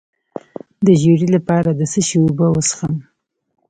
د ژیړي لپاره د څه شي اوبه وڅښم؟